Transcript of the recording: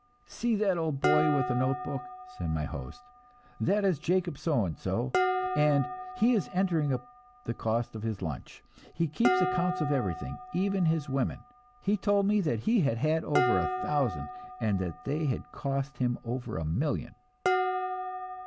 "See that old boy with a note book," said my host. "That is Jacob So and so, and he is entering up the cost of his lunch. He keeps accounts of everything, even of his women. He told me he had had over a thousand, and they had cost him over a million."